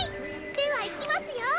ではいきますよ。